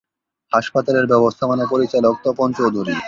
হাসপাতালের ব্যবস্থাপনা পরিচালক তপন চৌধুরী।